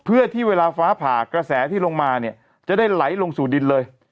เพื่อที่เวลาฟ้าผ่ากระแสที่ลงมาเนี่ยจะได้ไหลลงสู่ดินเลย